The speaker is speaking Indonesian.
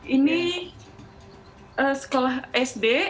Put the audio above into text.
ini sekolah sd